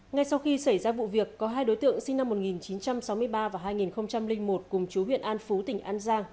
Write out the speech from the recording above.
ngay sau khi xảy ra vụ việc có hai đối tượng sinh năm một nghìn chín trăm sáu mươi ba và hai nghìn một cùng chú huyện an phú tỉnh an giang